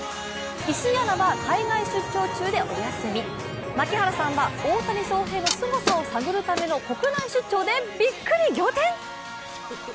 石井アナは海外出張中でお休み、槙原さんは大谷翔平のすごさを探るための国内出張でびっくり仰天！？